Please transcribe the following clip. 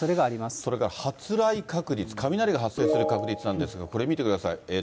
それから発雷確率、雷が発生する確率なんですが、これ見てください。